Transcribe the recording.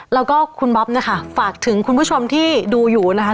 เพราะไปแข่งกันกันมาก